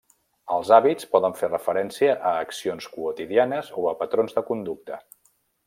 Els hàbits poden fer referència a accions quotidianes o a patrons de conducta.